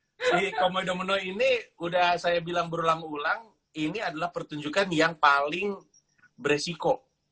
nih karena si si komodomono ini udah saya bilang berulang ulang ini adalah pertunjukan yang paling beresiko